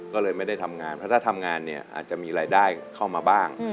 ก็เลยไม่ได้ทำงานเพราะถ้าทำงานเนี่ยอาจจะมีรายได้เข้ามาบ้าง